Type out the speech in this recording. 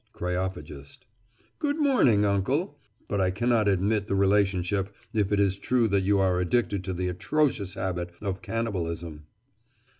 KREOPHAGIST: Good morning, uncle. But I cannot admit the relationship if it is true that you are addicted to the atrocious habit of cannibalism.